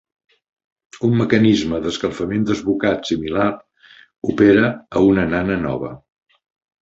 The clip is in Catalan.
Un mecanisme d'escalfament desbocat similar opera a una nana nova.